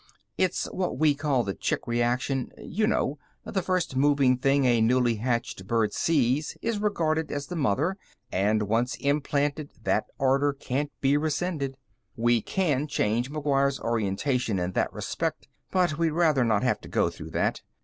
It's what we call the 'chick reaction'. You know: the first moving thing a newly hatched bird sees is regarded as the mother, and, once implanted, that order can't be rescinded. We can change McGuire's orientation in that respect, but we'd rather not have to go through that.